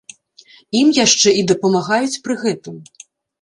Ім яшчэ і дапамагаюць пры гэтым.